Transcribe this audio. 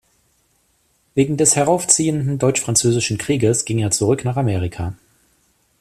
Wegen des heraufziehenden Deutsch-Französischen Krieges ging er zurück nach Amerika.